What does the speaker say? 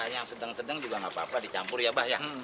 yang sedang sedang juga nggak apa apa dicampur ya bah ya